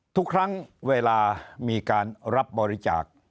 ทุกครั้งเวลามีการรับบริจาค